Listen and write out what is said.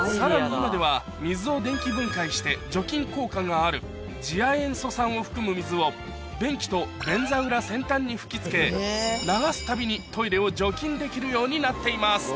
今では水を電気分解して除菌効果がある次亜塩素酸を含む水を便器と便座裏先端に吹き付けできるようになっています